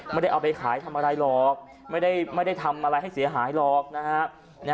ไม่ได้เอาไปขายทำอะไรหรอกไม่ได้ทำอะไรให้เสียหายหรอกนะฮะ